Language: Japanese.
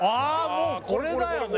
もうこれだよね！